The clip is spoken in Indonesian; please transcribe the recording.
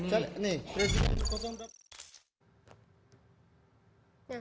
presiden kosong berapa